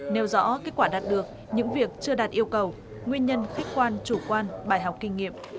nêu rõ kết quả đạt được những việc chưa đạt yêu cầu nguyên nhân khách quan chủ quan bài học kinh nghiệm